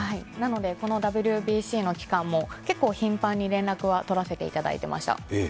このＷＢＣの期間も結構頻繁に連絡はとらせていただいていました。